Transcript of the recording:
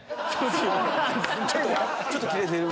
ちょっとキレてる。